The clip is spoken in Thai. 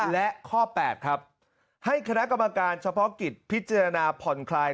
และข้อ๘ครับให้คณะกรรมการเฉพาะกิจพิจารณาผ่อนคลาย